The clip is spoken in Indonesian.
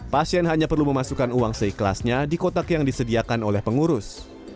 pasien hanya perlu memasukkan uang seikhlasnya di kotak yang disediakan oleh pengurus